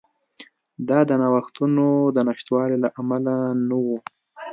دا د نوښتونو د نشتوالي له امله نه وه.